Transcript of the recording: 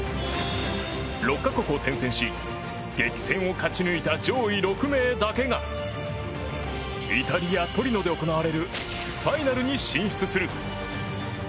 ６か国を転戦し激戦を勝ち抜いた上位６名だけがイタリア・トリノで行われるファイナルに進出する。